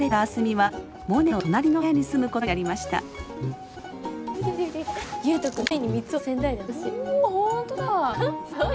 はい！